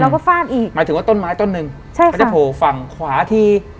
แล้วก็ฟาดอีกหมายถึงว่าต้นไม้ต้นหนึ่งใช่ค่ะไม่ได้โผล่ฝั่งขวาที